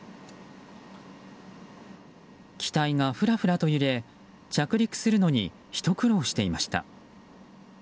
機体がふらふらと揺れ着陸するのにひと苦労していました。